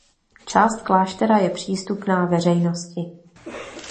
Část kláštera je přístupná veřejnosti.